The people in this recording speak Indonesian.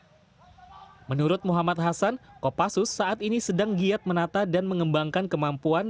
hai menurut muhammad hasan kopassus saat ini sedang giat menata dan mengembangkan kemampuan